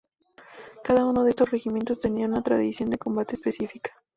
Cada uno de estos regimientos tenía una tradición de combate específica.